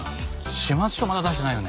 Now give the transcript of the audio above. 始末書まだ出してないよね？